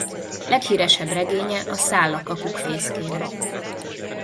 Leghíresebb regénye a Száll a kakukk fészkére.